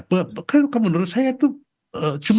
bahkan menurut saya itu cuma